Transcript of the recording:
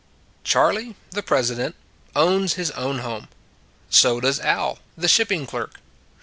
Charley, the president, owns his own home; so does Al, the shipping clerk.